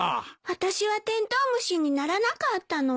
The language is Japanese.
あたしはテントウムシにならなかったの？